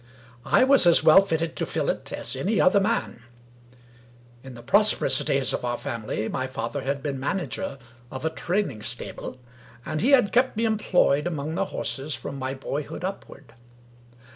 I was as well fitted to fill it as any other man. In the prosperous days of our family, my father had been manager of a train ing stable, and he had kept me employed among the horses from my boyhood upward.